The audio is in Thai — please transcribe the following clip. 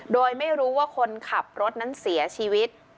โดยไม่รู้ว่าคนขับรถนั้นเสียชีวิต